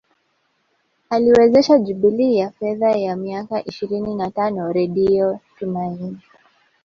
Aliwezesha jubilei ya fedha ya miaka ishirini na tano redio Tumaini